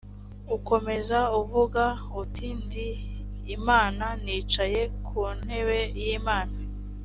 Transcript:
ukomeza kuvuga uti ndi imana nicaye ku ntebe y’imana